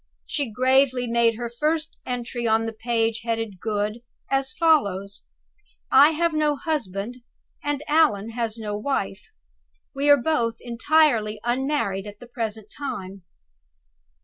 She gravely made her first entry on the page headed "Good," as follows: "I have no husband, and Allan has no wife. We are both entirely unmarried at the present time."